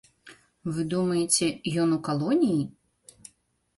Вы думаеце, ён у калоніі?